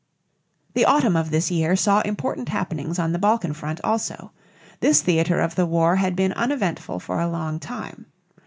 The autumn of this year saw important happenings on the Balkan front also. This theater of the war had been uneventful for a long time.